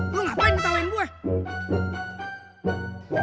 lu ngapain tau yang buah